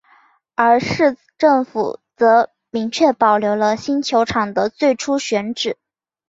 而市政府则明确保留了新球场的最初选址。